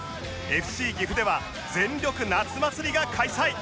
ＦＣ 岐阜では全緑夏まつりが開催